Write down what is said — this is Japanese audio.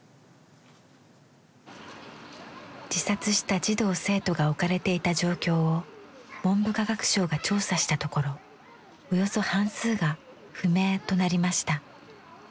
自殺した児童生徒が置かれていた状況を文部科学省が調査したところおよそ半数が「不明」となりました。